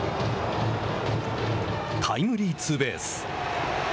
タイムリーツーベース。